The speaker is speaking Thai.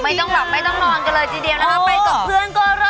ไม่ต้องกลับไม่ต้องรอนกันเลยทีเดียวนะไหล